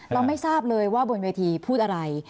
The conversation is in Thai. เราไม่ทราบเลยว่าบนเวทีพูดอะไร